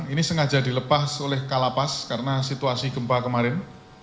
ini sengaja dilepas oleh kalapas karena situasi gempa kemarin